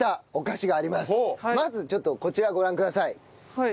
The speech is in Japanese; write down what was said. まずちょっとこちらをご覧ください。